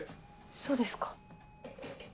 そうですか。